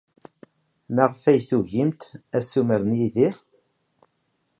Maɣef ay tugimt assumer n Yidir?